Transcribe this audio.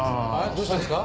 どうしたんですか？